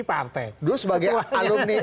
partai dulu sebagai alumni